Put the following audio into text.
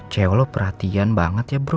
cewek perhatian banget ya bro